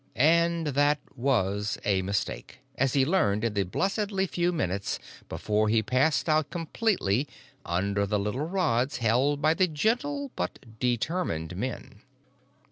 And that was a mistake, as he learned in the blessedly few minutes before he passed out completely under the little rods held by the gentle but determined men.